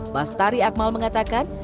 bastari akmal mengatakan